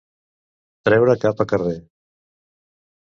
Treure cap a carrer.